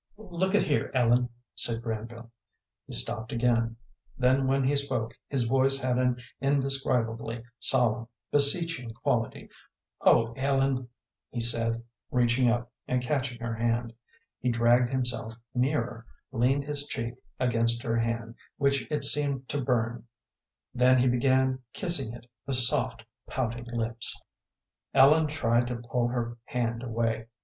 "Look at here, Ellen," said Granville. He stopped again; then when he spoke his voice had an indescribably solemn, beseeching quality. "Oh, Ellen," he said, reaching up and catching her hand. He dragged himself nearer, leaned his cheek against her hand, which it seemed to burn; then he began kissing it with soft, pouting lips. Ellen tried to pull her hand away.